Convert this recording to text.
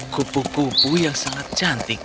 kupu kupu yang sangat cantik